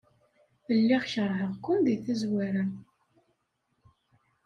Lliɣ keṛheɣ-ken deg tazwara.